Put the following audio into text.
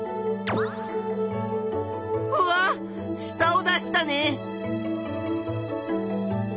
うわっしたを出したね！